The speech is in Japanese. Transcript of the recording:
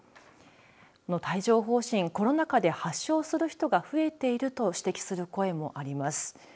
この帯状ほう疹、コロナ禍で発症する人が増えていると指摘する声もあります。